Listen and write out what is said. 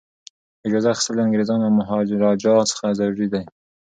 اجازه اخیستل د انګریزانو او مهاراجا څخه ضروري دي.